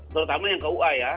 terutama yang kua ya